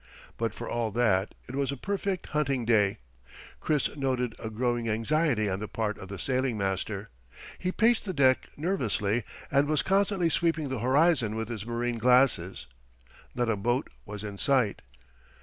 But for all that it was a perfect hunting day, Chris noted a growing anxiety on the part of the sailing master. He paced the deck nervously, and was constantly sweeping the horizon with his marine glasses. Not a boat was in sight.